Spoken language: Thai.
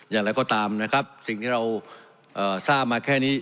อย่างไรก็ตามนะครับสิ่งที่เราทราบมาแค่นี้